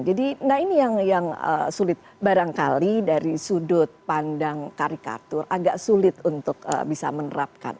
jadi nah ini yang sulit barangkali dari sudut pandang karikatur agak sulit untuk bisa menerapkan